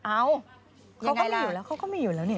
อ้าวเขาก็ไม่อยู่แล้ว